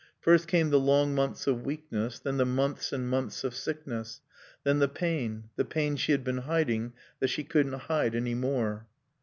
First came the long months of weakness; then the months and months of sickness; then the pain; the pain she had been hiding, that she couldn't hide any more.